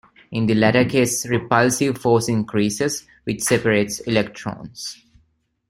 In the latter case the repulsive force increases, which separates electrons.